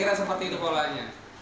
kira seperti itu polanya